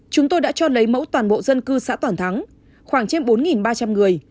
chúng tôi đã cho lấy mẫu toàn bộ dân cư xã toàn thắng khoảng trên bốn ba trăm linh người